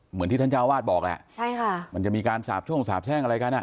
เหมือนที่ท่านเจ้าวาดบอกแหละใช่ค่ะมันจะมีการสาบช่วงสาบแช่งอะไรกันอ่ะ